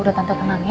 udah tante tenang ya